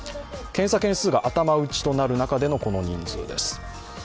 検査件数が頭打ちとなる中でのこの人数です。